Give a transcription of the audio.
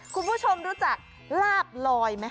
คุณผู้ชมรู้จักลาบลอยไหม